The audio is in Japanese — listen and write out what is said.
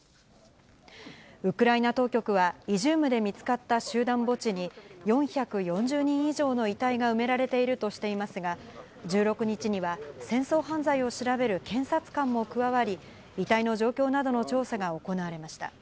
ウクライナ当局は、イジュームで見つかった集団墓地に、４４０人以上の遺体が埋められているとしていますが、１６日には戦争犯罪を調べる検察官も加わり、遺体の状況などの調査が行われました。